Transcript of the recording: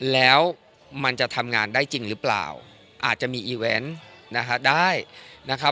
แล้วมันจะทำงานได้จริงหรือเปล่าอาจจะมีนะคะได้นะคะ